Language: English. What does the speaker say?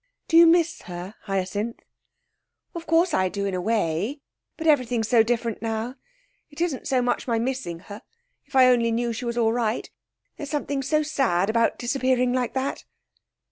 Do you miss her, Hyacinth?' 'Of course I do, in a way. But everything's so different now. It isn't so much my missing her, if I only knew she was all right. There's something so sad about disappearing like that.'